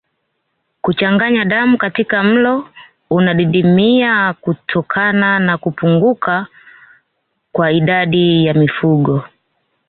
Kuchanganya damu katika mlo unadidimia kutokana na kupunguka kwa idadi ya mifugo